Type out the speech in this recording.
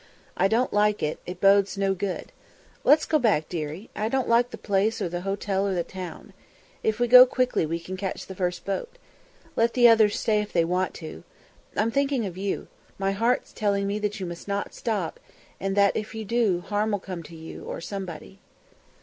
I don't like it; it bodes no good. Let's go back, dearie; I don't like the place or the hotel or the town. If we go quickly we can catch the first boat. Let the others stay if they want to. I'm thinking of you; my heart's telling me that you must not stop, and that if you do, harm'll come to you, or somebody."